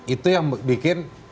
itu yang bikin